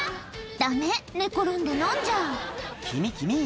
ダメ寝転んで飲んじゃ君君！